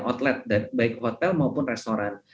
outlet baik hotel maupun restoran